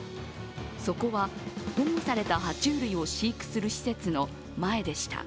そこは、保護された爬虫類を飼育する施設の前でした。